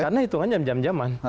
karena hitungannya jam jam jaman